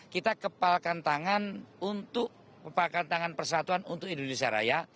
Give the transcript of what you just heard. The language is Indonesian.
kita kepalkan tangan untuk pepalkan tangan persatuan untuk indonesia raya